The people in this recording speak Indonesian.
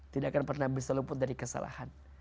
tidak akan pernah bisa luput dari kesalahan